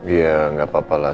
iya nggak apa apalah